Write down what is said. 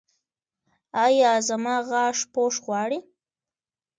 ایا زما غاښ پوښ غواړي؟